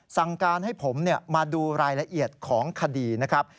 สั่งการให้ผมมาดูรายละเอียดของคดีนะครับ